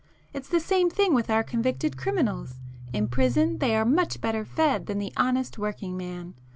It's the same thing with our convicted criminals,—in prison they are much better fed than the honest working man.